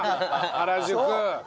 原宿！